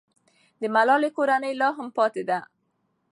د ملالۍ کورنۍ لا هم پاتې ده.